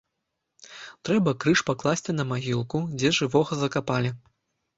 Трэба крыж пакласці на магілку, дзе жывога закапалі.